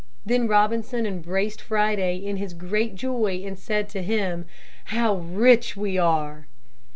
Then Robinson embraced Friday in his great joy and said to him, "How rich we are!"